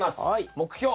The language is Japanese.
目標。